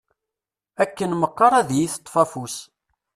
Akken meqqar ad yi-teṭṭef afus.